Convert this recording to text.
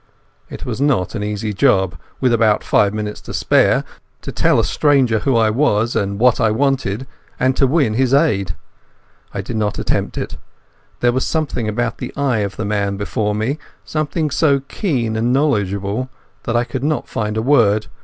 It was not an easy job, with about five minutes to spare, to tell a stranger who I was and what I wanted, and to win his aid. I did not attempt it. There was something about the eye of the man before me, something so keen and knowledgeable, that I could not find a word.